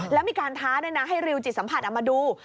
แล้วมีการท้าด้วยนะให้ริวจิตสัมผัสมาดู